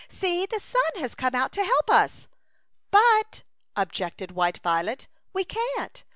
"See! the sun has come out to help us." "But/* objected white Violet, "we can't.